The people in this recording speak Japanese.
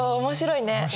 面白いね。